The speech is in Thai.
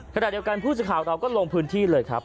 ขณะเดียวกันผู้สื่อข่าวเราก็ลงพื้นที่เลยครับ